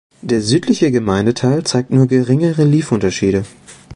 Der südliche Gemeindeteil zeigt nur geringe Reliefunterschiede.